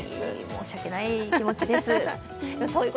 申し訳ない気持ちです。